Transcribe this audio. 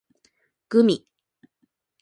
gumi